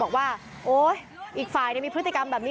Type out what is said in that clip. โอ้วและยังไง